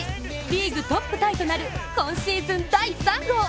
リーグトップタイとなる今シーズン第３号。